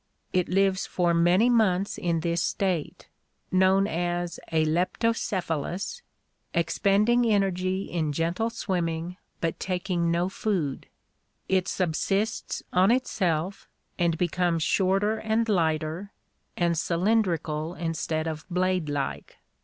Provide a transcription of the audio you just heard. It lives for many months in this state — known as a Leptocephalus — expending energy in gentle swimming, but taking no food. It subsists on itself, and becomes shorter and lighter, and cylindrical instead of blade like.